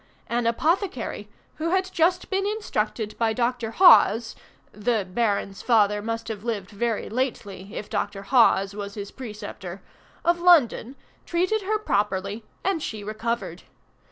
An apothecary, who had just been instructed by Dr. Hawes [the Baron's father must have lived very lately if Dr. Hawes was his preceptor], of London, treated her properly, and she recovered.